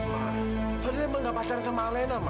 mak fadil emang gak pacaran sama alina mak